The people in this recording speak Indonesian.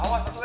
awas satu dua